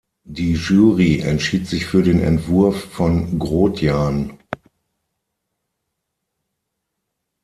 Die Jury entschied sich für den Entwurf von Grotjahn.